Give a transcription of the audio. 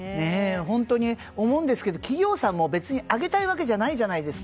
本当に思うんですけど企業さんも別に上げたいわけじゃないじゃないですか。